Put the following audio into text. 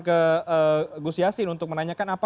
ke gus yassin untuk menanyakan apa